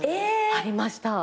ありました。